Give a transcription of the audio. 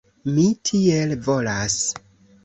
Mi tiel volas.